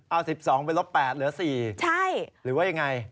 เอา๑๒ไปลบ๘เหลือ๔หรือว่าอย่างไรใช่